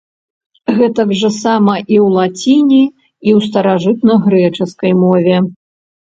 Гэтак жа сама і ў лаціне і ў старажытнагрэчаскай мове.